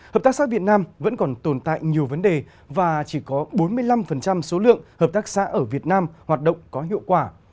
hợp tác xã việt nam vẫn còn tồn tại nhiều vấn đề và chỉ có bốn mươi năm số lượng hợp tác xã ở việt nam hoạt động có hiệu quả